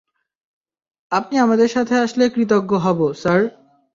আপনি আমাদের সাথে আসলে কৃতজ্ঞ হবো, স্যার।